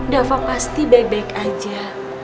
dava pasti baik baik aja